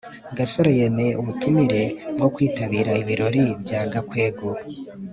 gasore yemeye ubutumire bwo kwitabira ibirori bya gakwego